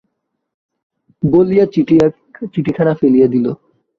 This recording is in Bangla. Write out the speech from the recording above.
বলিয়া চিঠিখানা ফেলিয়া দিল।